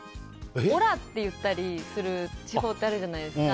おらって言う地方ってあるじゃないですか。